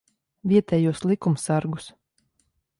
Vietējos likumsargus.